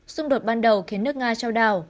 xung đột ban đầu khiến nước nga trao đảo